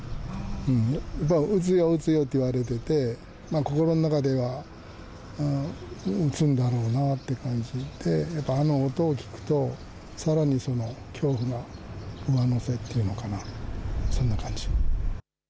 やっぱり月曜日、夜と言われてて、心の中ではそうだろうなって感じでやっぱりあの音を聞くとさらにその恐怖が上乗せというのかな、そんな感じ。